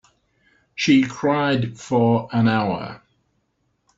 She cried for an hour.